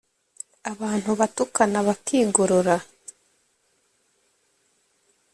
abantu batukana bakigorora,